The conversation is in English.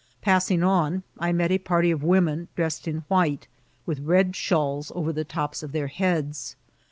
Passing on, I met a party of women, dressed in white, with red shawls over the tops of their heads.